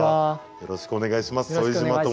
よろしくお願いします。